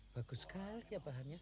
bagus sekali ya pak hanya